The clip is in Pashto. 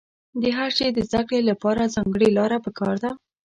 د هر شي د زده کړې له پاره ځانګړې لاره په کار ده.